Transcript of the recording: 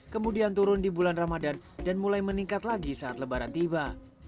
kemudian turun di bulan ramadan dan mulai meningkat lagi saat lebaran tiba